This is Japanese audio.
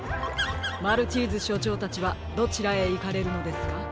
マルチーズしょちょうたちはどちらへいかれるのですか？